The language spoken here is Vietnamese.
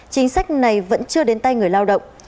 chính sách này vẫn chưa đến tay người lao động